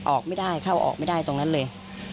ออกไม่ได้เข้าออกไม่ได้ตรงนั้นเลย